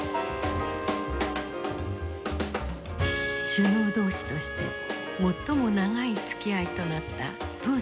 首脳同士として最も長いつきあいとなったプーチン大統領。